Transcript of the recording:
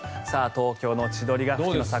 東京の千鳥ヶ淵の桜